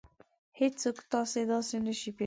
هېڅوک تاسې داسې نشي پېژندلی.